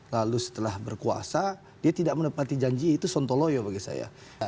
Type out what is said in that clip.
lalu setelah berkuasa dia tidak menepati janji itu sontoloyo bagi saya